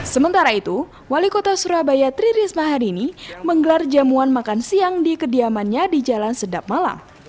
sementara itu wali kota surabaya tri risma hari ini menggelar jamuan makan siang di kediamannya di jalan sedap malang